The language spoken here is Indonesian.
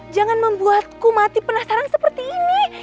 jangan membuatku mati penasaran seperti ini